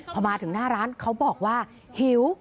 พอมาถึงหน้าร้านเขาบอกว่าหิว